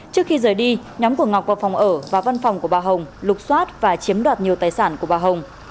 trước khi rời đi nhóm của ngọc vào phòng ở và văn phòng của bà hồng lục xoát và chiếm đoạt nhiều tài sản của bà hồng